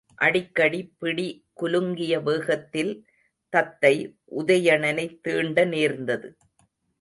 அடிக்கடி பிடி குலுங்கிய வேகத்தில் தத்தை, உதயணனைத் தீண்ட நேர்ந்தது.